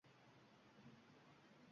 Ummu Abbos so`ppayganicha ko`chada qoldi